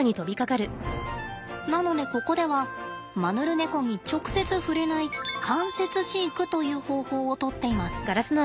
なのでここではマヌルネコに直接触れない間接飼育という方法をとっています。